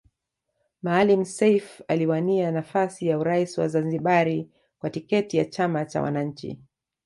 Maalim Seif aliwania nafasi ya urais wa Zanzibari kwa tiketi ya chama cha wananchi